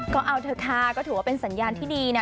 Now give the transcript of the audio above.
ก็เอาเถอะค่ะก็ถือว่าเป็นสัญญาณที่ดีนะ